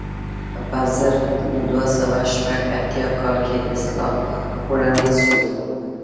په زر دوه سوه شپږ اتیا کال کې د اصلاح وړاندیز وشو.